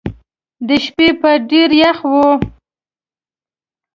د شپې به ډېر یخ وو.